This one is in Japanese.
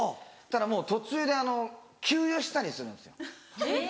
ただもう途中で給油したりするんですよ。